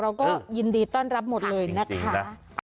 เราก็ยินดีต้อนรับหมดเลยนะคะ